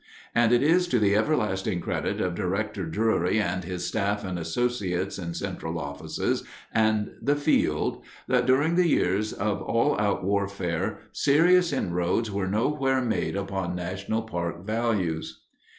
And it is to the everlasting credit of Director Drury and his staff and associates in central offices and the field that during the years of all out warfare serious inroads were nowhere made upon national park values.